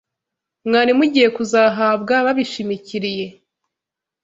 mwari mugiye kuzahabwa babishimikiriye